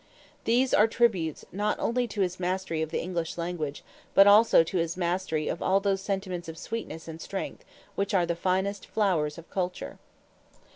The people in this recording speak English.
These are tributes not only to his mastery of the English language but also to his mastery of all those sentiments of sweetness and strength which are the finest flowers of culture.